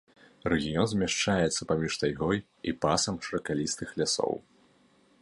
Рэгіён змяшчаецца паміж тайгой і пасам шыракалістых лясоў.